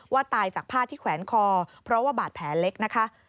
ตายจากผ้าที่แขวนคอเพราะว่าบาดแผลเล็กนะคะ